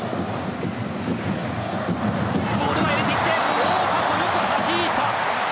ゴール前入れてきて大迫、よくはじいた。